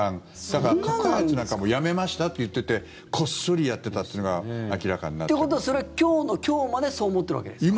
だから、核開発なんかもやめましたって言っていてこっそりやっていたというのが明らかになってるということで。ということはそれは今日の今日までそう思ってるわけですか？